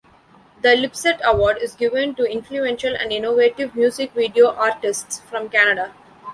The Lipsett Award is given to influential and innovative music video artists from Canada.